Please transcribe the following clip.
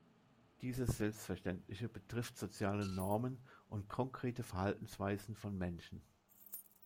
Dieses Selbstverständliche betrifft soziale Normen und konkrete Verhaltensweisen von Menschen.